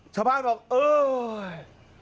ชาวบ้านลกไฮ